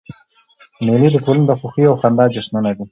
مېلې د ټولني د خوښیو او خندا جشنونه دي.